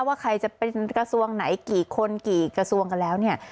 ว่าใครจะเป็นกระทรวงไหนกี่คนกี่กระทรวงกันแล้วเนี่ย